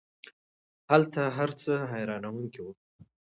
هلته هر څه حیرانوونکی وو.